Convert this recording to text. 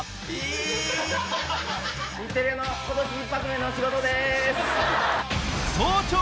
日テレの今年一発目の仕事です。